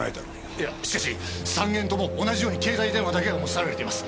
いやしかし３件とも同じように携帯電話だけが持ち去られています。